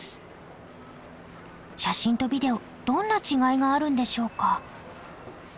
写真とビデオどんな違いがあるんでしょうか？